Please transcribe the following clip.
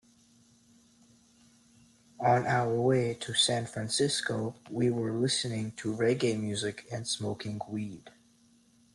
On our way to San Francisco, we were listening to reggae music and smoking weed.